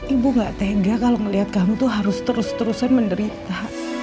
ibu gak tega kalau melihat kamu tuh harus terus terusan menderita